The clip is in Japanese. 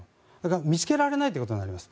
見つけられないということになります。